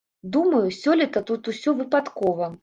Думаю, сёлета тут усё выпадкова.